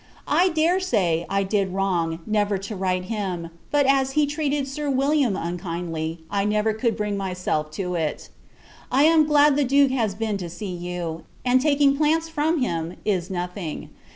I dare say, I did wrong, never to write him; but, as he treated Sir William unkindly, I never could bring myself to it. I am glad the Duke has been to see you; and taking plants from him, is nothing.